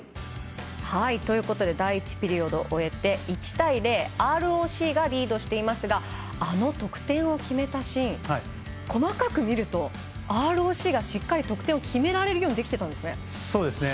第１ピリオドを終えて１対０とＲＯＣがリードしていますがあの得点を決めたシーン細かく見ると、ＲＯＣがしっかり得点を決められるようにできていたんですね。